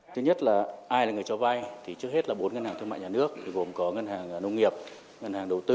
thứ nhất là ai là người cho vay thì trước hết là bốn ngân hàng thương mại nhà nước gồm có ngân hàng nông nghiệp ngân hàng đầu tư ngân hàng công thức